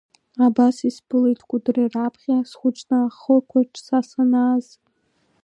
Абас исԥылеит Кәыдры раԥхьа, схәыҷны ахықәаҿ са санааз.